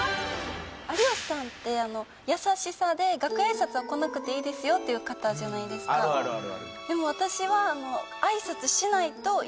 有吉さんって優しさで楽屋挨拶は来なくていいですよっていう方じゃないですかある